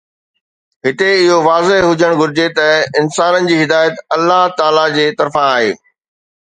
هتي اهو واضح هجڻ گهرجي ته انسانن جي هدايت الله تعاليٰ جي طرفان آهي